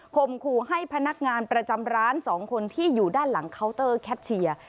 มขู่ให้พนักงานประจำร้าน๒คนที่อยู่ด้านหลังเคาน์เตอร์แคทเชียร์